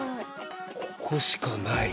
ここしかない。